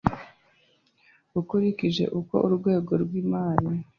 ukurikije uko urwego rw imari